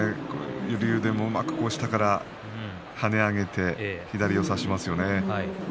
王鵬もうまく下から跳ね上げて左を差しましたね。